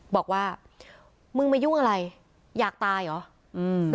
บอกว่ามึงมายุ่งอะไรอยากตายเหรออืม